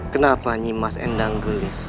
kenapa nimas endanggelis